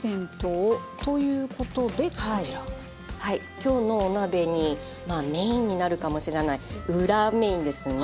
今日のお鍋にまあメインになるかもしれない裏メインですね。